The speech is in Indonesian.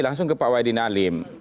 langsung ke pak wadidin alim